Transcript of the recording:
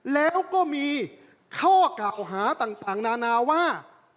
แล้วก็มีข้อกล่าวหาต่างนานาว่า